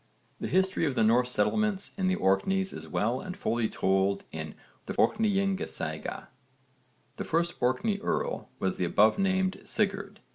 The history of the Norse settlements in the Orkneys is well and fully told in the Orkneyingasaga. The first Orkney earl was the above named Sigurd.